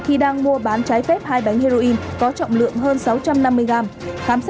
khi đang mua bán trái phép hai bánh heroin có trọng lượng hơn sáu trăm năm mươi gram